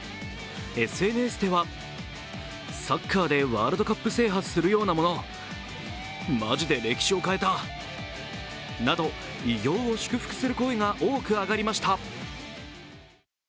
ＳＮＳでは偉業を祝福する声が多く上がりました。